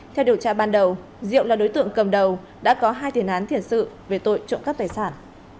theo điều tra ban đầu diệu là đối tượng cầm đầu đã có hai thiền án thiền sự về tội trộm các tài sản